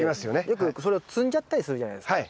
よくそれを摘んじゃったりするじゃないですか。